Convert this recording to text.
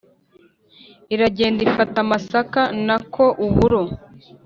iragenda ifata amasaka, nako uburo,